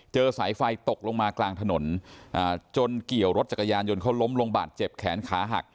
สายไฟตกลงมากลางถนนจนเกี่ยวรถจักรยานยนต์เขาล้มลงบาดเจ็บแขนขาหัก